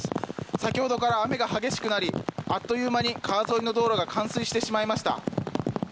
先ほどから雨が激しくなり、あっという間に川沿いの道路が冠水してしまいました。